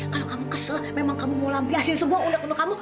kalau kamu kesel memang kamu mau lampiasin sebuah undang undang kamu